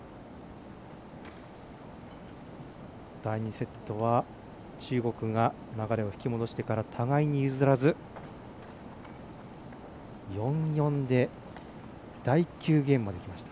第２セットは中国が流れを引き戻してから互いに譲らず４−４で第９ゲームまできました。